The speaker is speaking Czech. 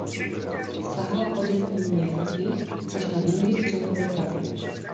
Sahala ode zdí městských až na druhý břeh Vltavy.